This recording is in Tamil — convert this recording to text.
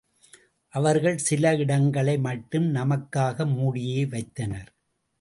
அவர்கள் சில இடங்களை மட்டும் நமக்காக மூடியே வைத்தனர்.